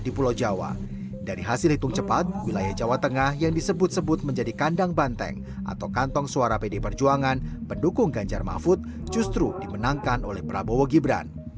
di jawa timur dikuasai oleh paslon prabowo gibran